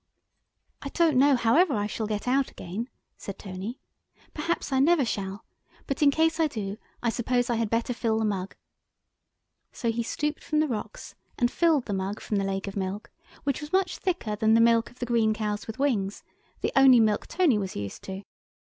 "I don't know however I shall get out again," said Tony; "perhaps I never shall, but in case I do, I suppose I had better fill the mug"; so he stooped from the rocks and filled the mug from the lake of milk, which was much thicker than the milk of the green cows with wings, the only milk Tony was used to.